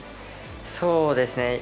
そうですね。